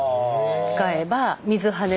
使えば水はね